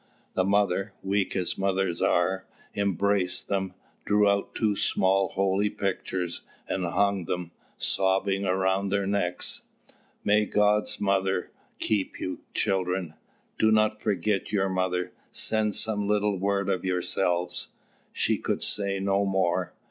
The mother, weak as mothers are, embraced them, drew out two small holy pictures, and hung them, sobbing, around their necks. "May God's mother keep you! Children, do not forget your mother send some little word of yourselves " She could say no more.